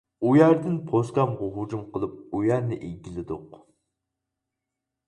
ئۇ يەردىن پوسكامغا ھۇجۇم قىلىپ ئۇ يەرنى ئىگىلىدۇق.